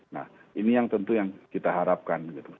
nah ini yang tentu yang kita harapkan gitu